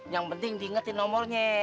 yang penting diingetin nomornya